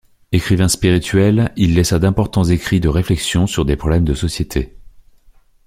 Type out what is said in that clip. Écrivain spirituel il laissa d'importants écrits de réflexion sur des problèmes de société.